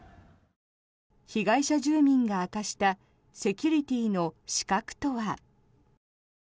被害者住民が明かしたセキュリティーの死角とは。